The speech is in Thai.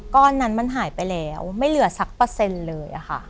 ก้อนนั้นมันหายไปแล้วไม่เหลือสักเปอร์เซ็นต์เลยค่ะ